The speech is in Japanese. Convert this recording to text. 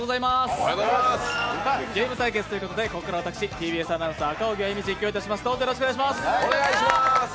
ゲーム対決ということで、ここから私、ＴＢＳアナウンサー、赤荻歩、実況いたします。